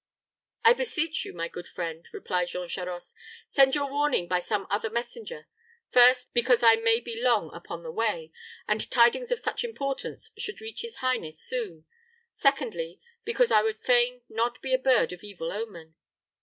"I beseech you, my good friend," replied Jean Charost, "send your warning by some other messenger; first, because I may be long upon the way, and tidings of such importance should reach his highness soon; secondly, because I would fain not be a bird of evil omen.